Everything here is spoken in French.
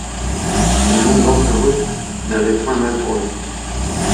Ces noms dangereux n’avaient point mal tourné.